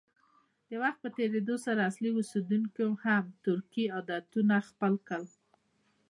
د وخت په تېرېدو سره اصلي اوسیدونکو هم ترکي عادتونه خپل کړل.